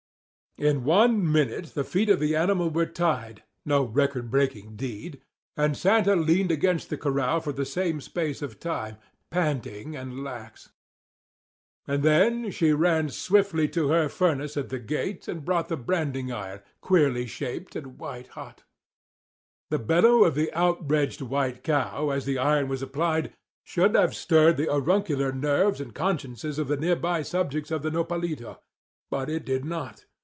In one minute the feet of the animal were tied (no record breaking deed) and Santa leaned against the corral for the same space of time, panting and lax. And then she ran swiftly to her furnace at the gate and brought the branding iron, queerly shaped and white hot. The bellow of the outraged white cow, as the iron was applied, should have stirred the slumbering auricular nerves and consciences of the near by subjects of the Nopalito, but it did not.